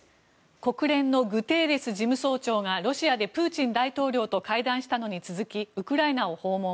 国連のグテーレス事務総長がロシアでプーチン大統領と会談したのに続きウクライナを訪問。